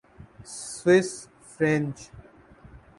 Swiss French